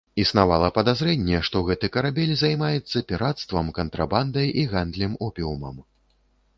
Існавала падазрэнне, што гэты карабель займаецца пірацтвам, кантрабандай і гандлем опіумам.